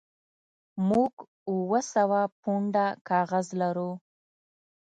موږ اوه سوه پونډه کاغذ لرو